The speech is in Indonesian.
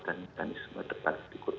dan organisme depan